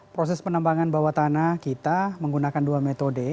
proses penambangan bawah tanah kita menggunakan dua metode